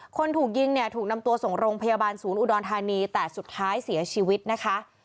คนถูกยิงเนี่ยถูกนำตัวส่งโรงพยาบาลศูนย์อุดรธานีแต่สุดท้ายเสียชีวิตนะคะ